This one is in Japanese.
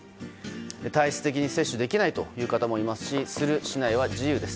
体質的に接種できないという方もいますしする・しないは自由です。